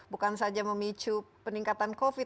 bukan saja memicu peningkatan covid